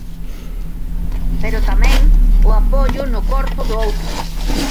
Pero tamén o apoio no corpo do outro.